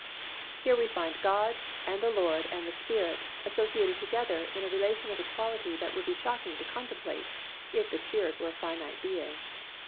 Here we find God, and the Lord and the Spirit associated together in a relation of equality that would be shocking to contemplate if the Spirit were a finite being.